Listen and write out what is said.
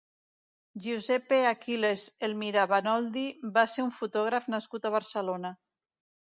Giuseppe Aquiles Elmira Banoldi va ser un fotògraf nascut a Barcelona.